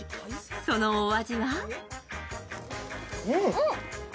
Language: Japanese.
そのお味は？